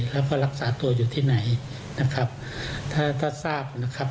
แล้วก็รักษาตัวอยู่ที่ไหนนะครับถ้าถ้าทราบนะครับ